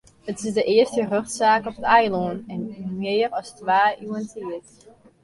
It is de earste rjochtsaak op it eilân yn mear as twa iuwen tiid.